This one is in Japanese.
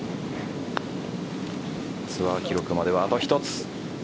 ツアー記録までは、あと１つ。